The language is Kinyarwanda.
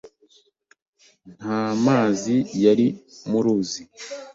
Nta mazi yari mu ruzi.